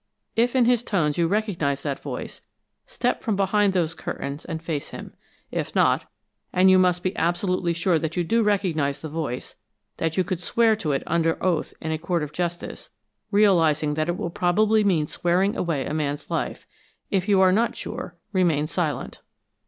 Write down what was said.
If in his tones you recognize that voice, step from behind those curtains and face him. If not and you must be absolutely sure that you do recognize the voice, that you could swear to it under oath in a court of justice, realizing that it will probably mean swearing away a man's life if you are not sure, remain silent."